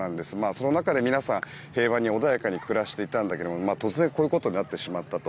その中で皆さん平和に穏やかに暮らしていたんだけども突然こういうことになってしまったと。